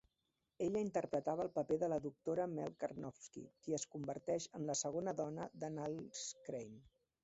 Ella interpretava el paper de la doctora Mel Karnofsky, qui es converteix en la segona dona de Niles Crane.